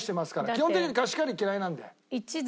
基本的に貸し借り嫌いなんで。